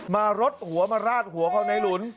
รดหัวมาราดหัวเขาในหลุน